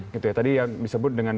gitu ya tadi yang disebut dengan